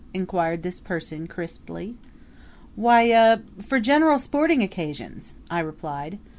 inquired this person crisply. "Why er for general sporting occasions," I replied.